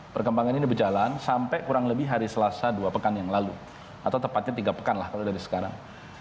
perkembangan ini berjalan sampai kurang lebih hari selasa dua pekan yang lalu atau tepatnya tiga pekan lah kalau dari sekarang